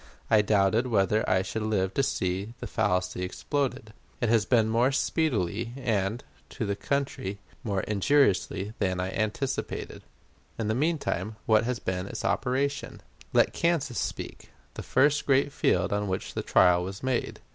I doubted whether I should live to see that fallacy exploded. It has been more speedily, and, to the country, more injuriously than I anticipated. In the mean time, what has been its operation? Let Kansas speak the first great field on which the trial was made.